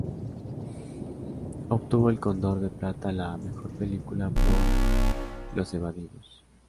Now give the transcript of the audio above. Obtuvo el Cóndor de Plata a la mejor película por "Los evadidos".